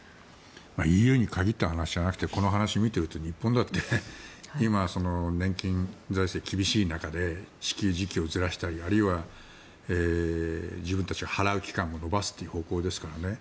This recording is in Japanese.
ＥＵに限った話じゃなくてこの話、見ていると日本だって今、年金財政が厳しい中で支給時期をずらしたりあるいは自分たちが払う期間を延ばす方向ですからね。